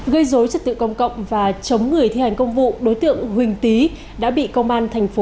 gây dối trật tự công cộng và chống người thi hành công vụ đối tượng huỳnh tý đã bị công an thành phố